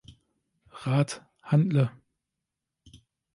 Rat, handle!